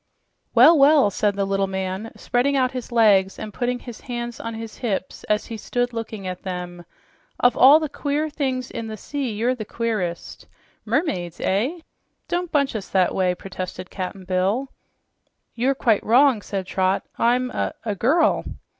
"Well, well!" said the little man, spreading out his legs and putting his hands on his hips as he stood looking at them. "Of all the queer things in the sea, you're the queerest! Mermaids, eh?" "Don't bunch us that way!" protested Cap'n Bill. "You are quite wrong," said Trot. "I'm a a girl."